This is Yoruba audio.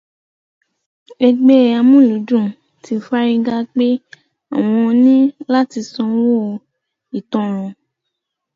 Ẹgbẹ́ Amúlùúdùm ti fárígá pé àwọn ní láti sanwó ìtanràn